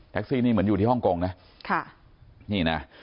ซี่นี่เหมือนอยู่ที่ฮ่องกงนะค่ะนี่นะ